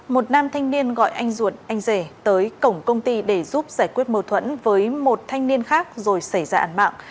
một nam thanh niên gọi anh ruột anh rể tới cổng công ty để giúp giải quyết mâu thuẫn với một thanh niên khác rồi xảy ra ảnh mạng